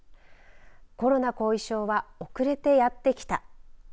コロナ後遺症は遅れてやってきた。